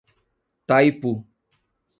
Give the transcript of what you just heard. Taipu